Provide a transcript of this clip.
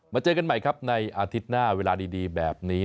เจอกันใหม่ครับในอาทิตย์หน้าเวลาดีแบบนี้